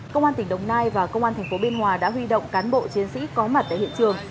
công an tỉnh đồng nai và công an tp biên hòa đã huy động cán bộ chiến sĩ có mặt tại hiện trường